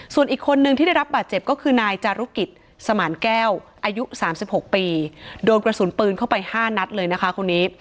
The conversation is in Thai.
ส่วนอีกคนนึงที่ได้รับบาดเจ็บก็คือนายจารุกิจสมานแก้วอายุ๓๖ปีโดนกระสุนปืนเข้าไป๕นัดเลยนะคะคนนี้